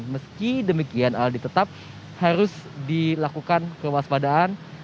meski demikian aldi tetap harus dilakukan kewaspadaan